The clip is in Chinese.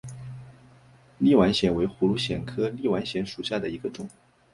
立碗藓为葫芦藓科立碗藓属下的一个种。